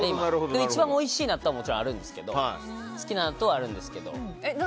一番おいしい納豆はもちろんあるんですけど好きな納豆はあるんですけど。